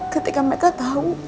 ketika mereka tau